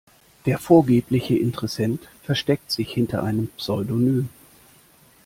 Der vorgebliche Interessent versteckt sich hinter einem Pseudonym.